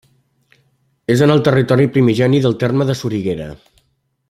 És en el territori primigeni del terme de Soriguera.